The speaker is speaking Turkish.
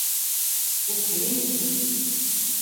Bu kimin için?